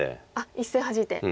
１線ハジいて。